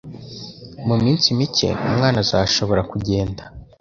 Mu minsi mike, umwana azashobora kugenda.